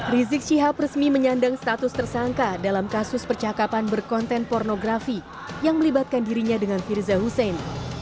rizik syihab resmi menyandang status tersangka dalam kasus percakapan berkonten pornografi yang melibatkan dirinya dengan firza hussein